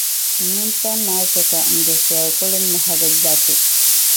n nintam maa chɛ ka n dufɛli kuli mahigi gbati.